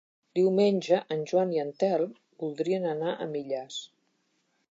Diumenge en Joan i en Telm voldrien anar a Millars.